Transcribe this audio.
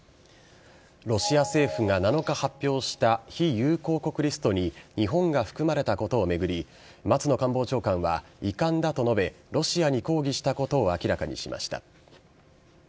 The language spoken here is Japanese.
ロシア政府が７日発表した非友好国リストに、日本が含まれたことを巡り、松野官房長官は遺憾だと述べ、ロシアに抗議したことを明らかにしました。